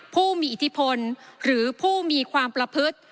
ผู้มีอิทธิพลหรือผู้มีความประพฤติ